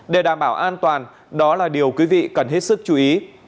để đảm bảo an toàn đó là điều quý vị cần hết sức chú ý